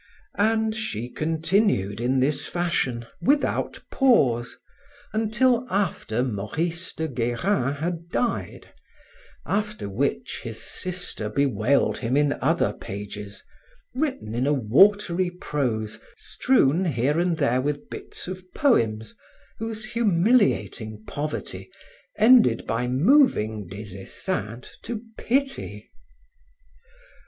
And she continued in this fashion, without pause, until after Maurice de Guerin had died, after which his sister bewailed him in other pages, written in a watery prose strewn here and there with bits of poems whose humiliating poverty ended by moving Des Esseintes to pity.